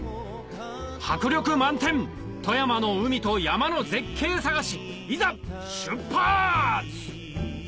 迫力満点富山の海と山の絶景探しいざ出発！